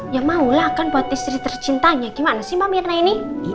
ya maulah kan buat istri tercintanya gimana sih mbak mirna ini